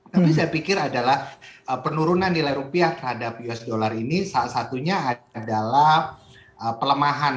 tapi saya pikir adalah penurunan nilai rupiah terhadap usd ini salah satunya adalah pelemahan